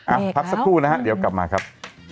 พักสักครู่นะฮะเดี๋ยวกลับมาครับ